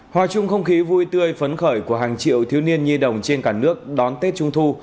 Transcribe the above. hòa chung không khí vui tươi phấn khởi của hàng triệu thiếu niên nhi đồng trên cả nước đón tết trung thu